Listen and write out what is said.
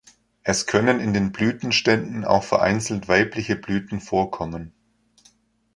Es können in den Blütenständen auch vereinzelt weibliche Blüten vorkommen.